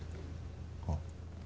あっ。